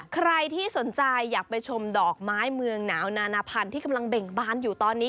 ใครที่สนใจอยากไปชมดอกไม้เมืองหนาวนานาพันธุ์ที่กำลังเบ่งบานอยู่ตอนนี้